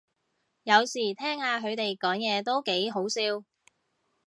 有時聽下佢哋講嘢都幾好笑